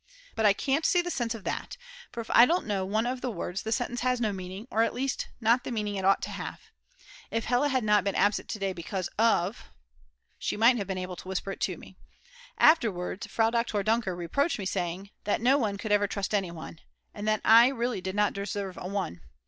But I can't see the sense of that; for if I don't know one of the words the sentence has no meaning, or at least not the meaning it ought to have. If Hella had not been absent to day because of , she might have been able to whisper it to me. Afterwards Frau Doktor Dunker reproached me, saying that no one could ever trust anyone, and that I really did not deserve a One.